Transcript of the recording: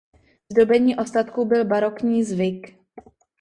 Zdobení ostatků byl barokní zvyk.